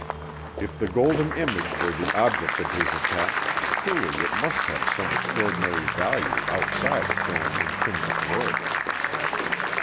If the golden image were the object of his attack, truly it must have some extraordinary value outside its own intrinsic worth.